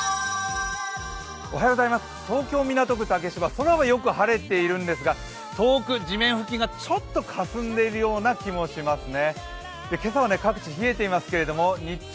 東京・港区竹芝、空はよく晴れているんですが、遠くがちょっとかすんでるように見えますね。